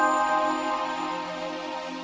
seterusnya kamurayu tinggi